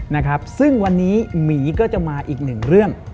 นะครับซึ่งวันนี้หมีก็จะมาอีกหนึ่งเรื่อง